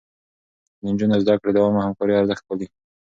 د نجونو زده کړه د عامه همکارۍ ارزښت پالي.